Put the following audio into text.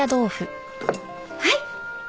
はい！